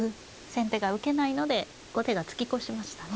先手が受けないので後手が突き越しましたね。